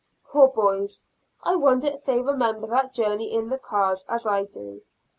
Poor boys, I wonder if they remember that journey in the cars as I do.